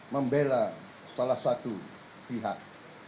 membela salah satu pihak